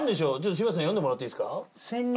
柴田さん読んでもらっていいですか？